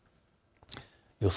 予想